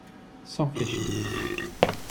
Sans fléchir